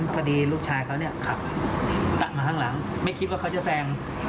พอดีลูกชายเขาเนี่ยขับมาข้างหลังไม่คิดว่าเขาจะแซง